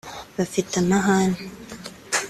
bafite amahane